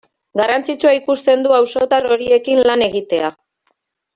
Garrantzitsua ikusten du auzotar horiekin lan egitea.